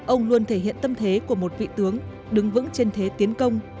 ông luôn thể hiện tâm thế của một vị tướng đứng vững trên thế tiến công